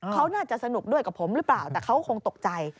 เขาน่าจะสนุกด้วยกับผมหรือเปล่าแต่เขาก็คงตกใจ